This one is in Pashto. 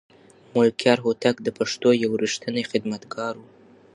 ملکیار هوتک د پښتو یو رښتینی خدمتګار و.